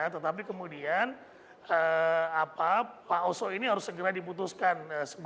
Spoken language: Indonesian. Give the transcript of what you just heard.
tetapi kemudian pak oso ini harus segera diputuskan